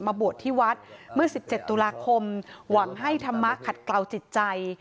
บวชที่วัดเมื่อ๑๗ตุลาคมหวังให้ธรรมะขัดกล่าวจิตใจ